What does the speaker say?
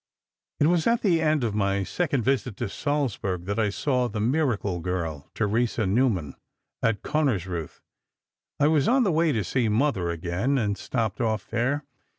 "It was at the end of my second visit to Salzburg that I saw the miracle girl, Theresa Neumann—at Konnersreuth. I was on the way to see Mother again, and stopped off there.